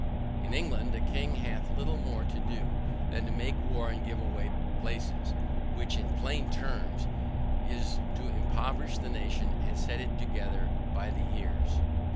In England a king hath little more to do than to make war and give away places; which in plain terms, is to impoverish the nation and set it together by the ears.